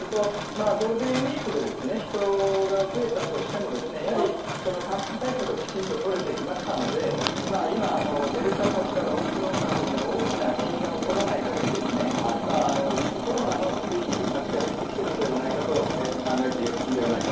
ゴールデンウィークで人が増えたとしても、やはりその感染対策をきちんと取れてきましたので、今、デルタ株からオミクロン株への大きな変異が起こらないかぎり、ウィズコロナの推移に近づいてきているのではないかと考えてよろ